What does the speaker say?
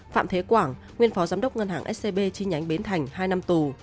phạm thế quảng nguyên phó giám đốc ngân hàng scb chi nhánh bến thành hai năm tù